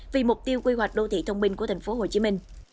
vì mục tiêu quy hoạch đô thị thông minh của tp hcm